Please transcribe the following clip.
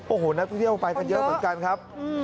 โอ้โหนักท่องเที่ยวไปกันเยอะเหมือนกันครับ